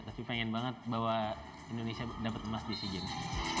tapi pengen banget bawa indonesia dapat emas di sea games